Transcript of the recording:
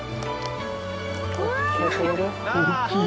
大きい。